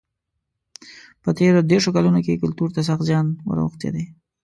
په تېرو دېرشو کلونو کې کلتور ته سخت زیان ور اوښتی دی.